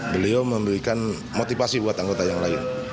beliau memberikan motivasi buat anggota yang lain